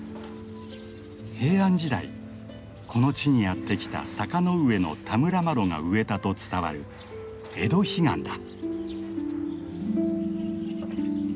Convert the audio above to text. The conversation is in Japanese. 平安時代この地にやって来た坂上田村麻呂が植えたと伝わるエドヒガンだ。